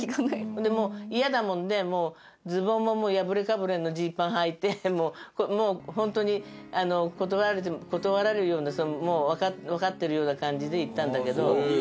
もうイヤだもんでズボンもやぶれかぶれのジーパンはいてもう本当に断られるようなわかってるような感じで行ったんだけど。